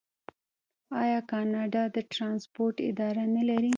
آیا کاناډا د ټرانسپورټ اداره نلري؟